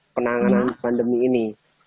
penanganan pandemi ini